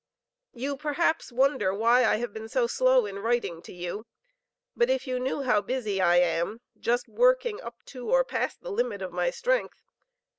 You, perhaps, wonder why I have been so slow in writing to you, but if you knew how busy I am, just working up to or past the limit of my strength.